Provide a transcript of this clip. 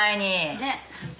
ねっ？